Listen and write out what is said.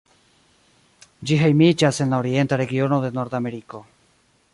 Ĝi hejmiĝas en la orienta regiono de Nordameriko.